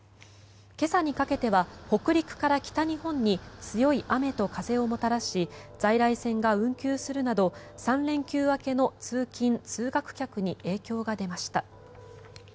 今朝にかけては北陸から北日本に強い雨と風をもたらし在来線が運休するなど３連休明けの通勤・通学客に影響が出ました。